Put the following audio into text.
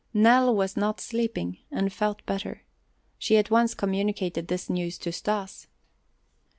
Nell was not sleeping and felt better. She at once communicated this news to Stas.